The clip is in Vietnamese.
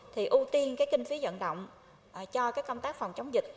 thì ưu tiên kinh phí dẫn động cho công tác phòng chống dịch